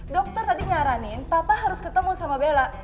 dokter tadi nyaranin papa harus ketemu sama bella